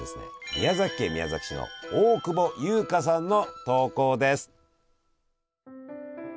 宮崎県宮崎市の大久保優花さんの投稿です。